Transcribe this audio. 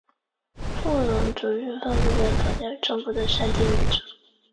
宽型前握把是一种可以提供类似垂直前握把功能的前握把类枪械附件。